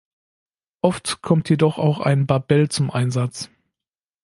Oft kommt jedoch auch ein Barbell zum Einsatz.